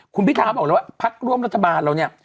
คุณพิทาบอกแล้วว่าพักร่วมรัฐบาลเราเนี่ย